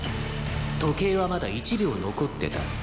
時計はまだ１秒残ってた」